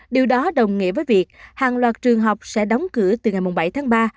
điều đó đồng nghĩa với việc hàng loạt trường học sẽ đóng cửa từ ngày bảy tháng ba